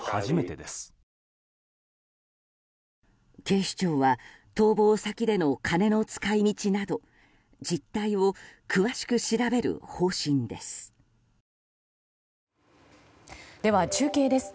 警視庁は逃亡先での金の使い道など実態を詳しく調べる方針です。